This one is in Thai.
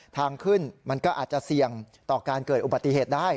ทางขึ้นมันก็อาจจะเสี่ยงต่อการเกิดอุบัติเหตุได้